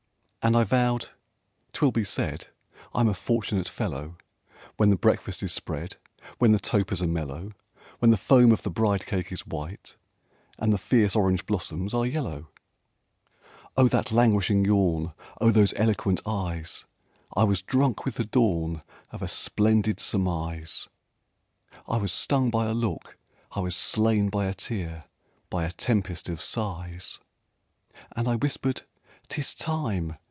And I vowed "'Twill be said I'm a fortunate fellow, When the breakfast is spread, When the topers are mellow, When the foam of the bride cake is white, and the fierce orange blossoms are yellow!" O that languishing yawn! O those eloquent eyes! I was drunk with the dawn Of a splendid surmise I was stung by a look, I was slain by a tear, by a tempest of sighs. And I whispered "'Tis time!